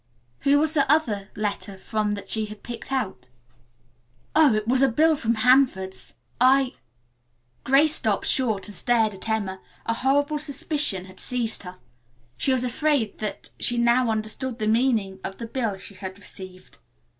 "Who was the other letter from that she had picked out?" "Oh, it was a bill from Hanford's. I " Grace stopped short and stared at Emma. A horrible suspicion had seized her. She was afraid that she now understood the meaning of the bill she had received.